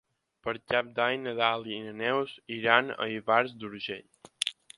Per Cap d'Any na Dàlia i na Neus iran a Ivars d'Urgell.